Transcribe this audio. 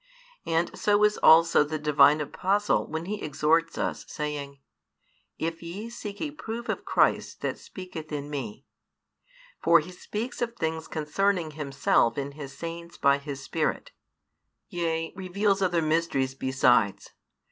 And so is also the Divine Apostle when he exhorts us, saying, If ye seek a proof of Christ that speaketh in me; for He speaks of things concerning Himself in His Saints by His Spirit; yea, reveals other mysteries besides.